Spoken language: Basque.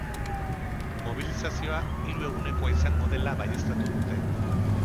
Mobilizazioa hiru egunekoa izango dela baieztatu dute.